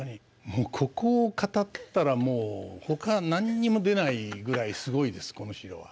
もうここを語ったらもう他何も出ないぐらいすごいですこの城は。